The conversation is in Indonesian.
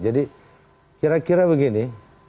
jadi kira kira begini